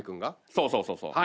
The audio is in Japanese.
そうそうそうそう。